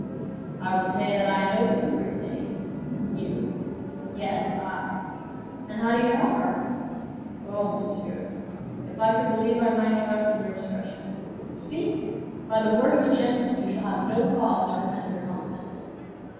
"I would say that I know this great lady." "You?" "Yes; I." "And how do you know her?" "Oh, monsieur, if I could believe I might trust in your discretion." "Speak! By the word of a gentleman, you shall have no cause to repent of your confidence."